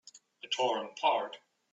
I tore him apart!